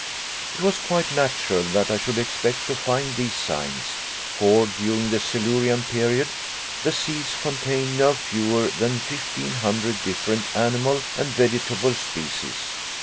It was quite natural that I should expect to find these signs, for during the Silurian period the seas contained no fewer than fifteen hundred different animal and vegetable species.